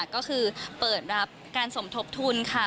ก็คือเปิดรับการสมทบทุนค่ะ